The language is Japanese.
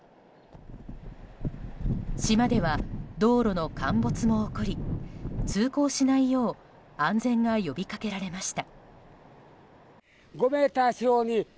島では道路の陥没も起こり通行しないよう安全が呼びかけられました。